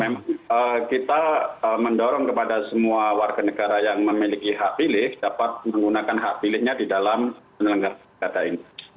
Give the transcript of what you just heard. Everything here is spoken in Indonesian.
memang kita mendorong kepada semua warga negara yang memiliki hak pilih dapat menggunakan hak pilihnya di dalam penyelenggaran kata ini